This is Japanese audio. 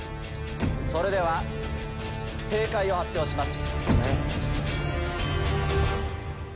それでは正解を発表します。